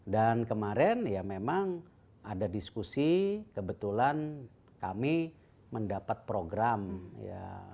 dan kemarin ya memang ada diskusi kebetulan kami mendapat program ya